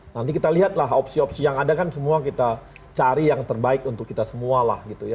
nanti kita lihatlah opsi opsi yang ada kan semua kita cari yang terbaik untuk kita semua lah gitu ya